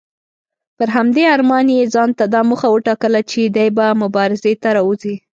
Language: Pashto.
پر همدې ارمان یې ځانته دا موخه وټاکله چې دی به مبارزې ته راوځي.